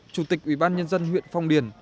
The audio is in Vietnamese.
chủ tịch ủy ban nhân dân huyện phong điền